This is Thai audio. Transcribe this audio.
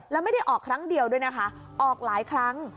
แล้วไม่ได้ออกครั้งเดียวด้วยนะคะออกหลายครั้ง